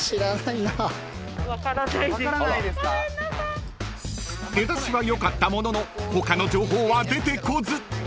［出だしはよかったものの他の情報は出てこず］